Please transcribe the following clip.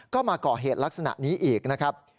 ก็มาก่อเหตุลักษณะนี้อีกนะครับ